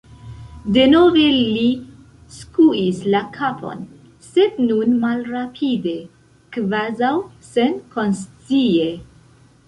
Denove li skuis la kapon, sed nun malrapide, kvazaŭ senkonscie.